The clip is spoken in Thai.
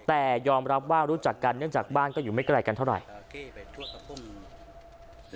แต่ยอมรับว่ารู้จักกันเนื่องจากบ้านก็อยู่ไม่ไกลกันเท่าไหร่